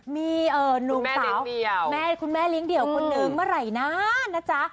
มีหนุ่มสาวคุณแม่เลี้ยงเดี่ยวคนหนึ่งเมื่อไหร่นานนะจ๊ะ